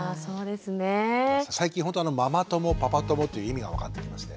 最近ほんとママ友パパ友という意味が分かってきまして。